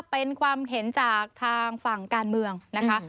เป็นความเห็นจากทางฝั่งการเมืองนะคะ